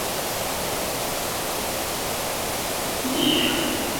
The question was asked again in the next election, and passed at that time.